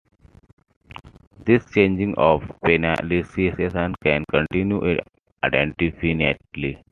This changing of penalisation can continue indefinitely.